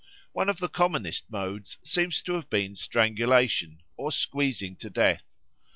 One of the commonest modes seems to have been strangulation, or squeezing to death.